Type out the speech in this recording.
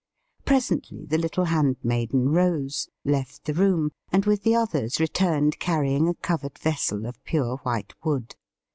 Presently the little handmaiden rose, left the room, and with the others returned carry ing a covered vessel of pure white wood.